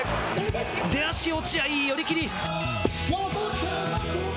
出足落合、寄り切り！